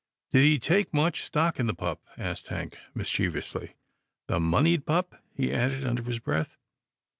" Did he take much stock in the pup ?" asked Hank, mischievously. " The moneyed pup," he added under his breath.